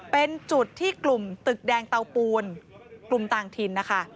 เป็นจุดที่กลุ่มตึกแดงเตาปูนกลุ่มต่างถิ่นนะคะ